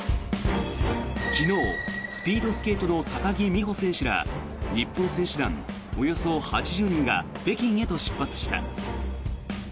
昨日、スピードスケートの高木美帆選手ら日本選手団およそ８０人が北京へと出発した。